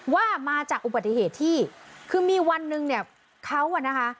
ว่ามาจากอุบัติเหตุที่คือมีวันหนึ่งเนี่ยเขาอ่ะนะคะ